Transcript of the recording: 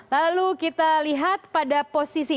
lalu kita lihat pada posisi